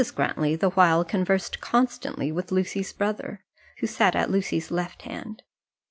Grantly the while conversed constantly with Lucy's brother, who sat at Lucy's left hand.